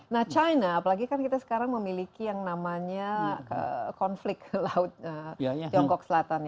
nah china apalagi kan kita sekarang memiliki yang namanya konflik laut tiongkok selatan